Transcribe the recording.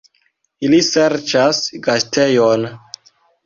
Ili serĉas gastejon!